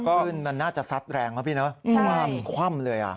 ขึ้นมันน่าจะซัดแรงนะครับพี่เนอะคว่ำคว่ำเลยอ่ะ